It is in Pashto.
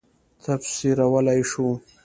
تفسیرولای شو.